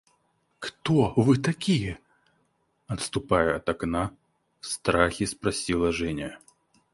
– Кто вы такие? – отступая от окна, в страхе спросила Женя.